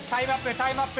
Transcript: タイムアップ。